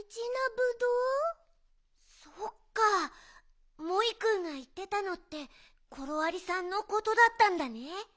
そっかモイくんがいってたのってコロありさんのことだったんだね。